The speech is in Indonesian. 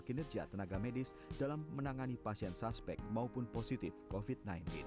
dan bantuan dari tiga tenaga medis dalam menangani pasien suspek maupun positif covid sembilan belas